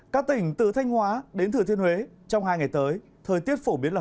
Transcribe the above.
các tỉnh từ thanh hóa đến thừa thiên huế trong hai ngày tới thời tiết phổ biến là